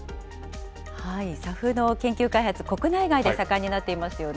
ＳＡＦの研究開発、国内外で盛んになっていますよね。